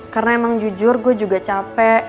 karena emang jujur gue juga capek